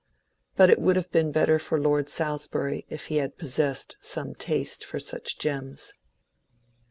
But it would have been better for Lord Salisbury if he had possessed some taste for such gems.